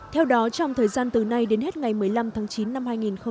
theo đó trong thời gian từ nay đến hết ngày một mươi năm tháng chín năm hai nghìn hai mươi